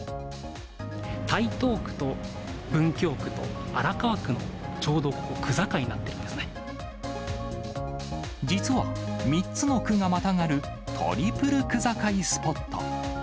台東区と文京区と荒川区のちょうどここ、区境になってるんで実は、３つの区がまたがるトリプル区境スポット。